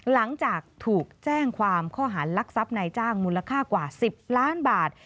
หลังจากถูกแจ้งความข้อหารลักทรัพย์นายจ้างมูลค่ากว่า๑๐ล้านบาท